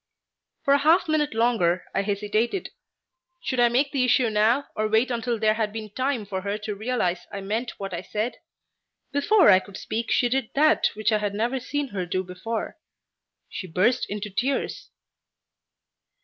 For a half minute longer I hesitated. Should I make the issue now or wait until there had been time for her to realize I meant what I said? Before I could speak she did that which I had never seen her do before. She burst into tears.